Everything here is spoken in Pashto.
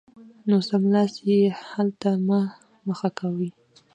نو سملاسي یې حل ته مه مخه کوئ